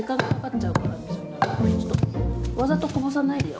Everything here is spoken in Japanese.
ちょっとわざとこぼさないでよ。